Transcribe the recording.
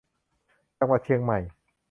จังหวัดเชียงใหม่